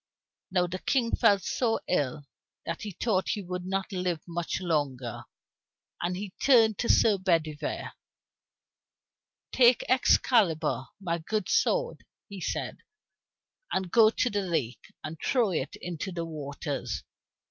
Now the King felt so ill that he thought he would not live much longer, and he turned to Sir Bedivere: "Take Excalibur, my good sword," he said, "and go with it to the lake, and throw it into its waters.